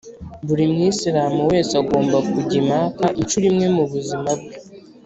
buri mwisilamu wese agomba kujya i maka incuro imwe mu buzima bwe.